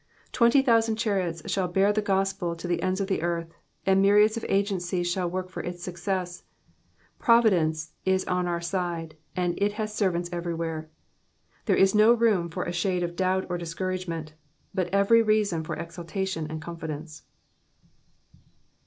Twenty thousand chariots shall bear the gospel to the ends of the earth ; and myriads of agencies shall work for its success. Providence is on our side, and it *^ has servants everywhere." There is no room for a shade of doubt or discouragement, but every reason for exultation and confidence.